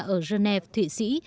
ở geneva thụy sĩ